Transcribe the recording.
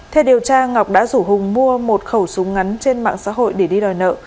theo điều tra ngọc đã rủ hùng mua một khẩu súng ngắn trên mạng xã hội để đi đòi nợ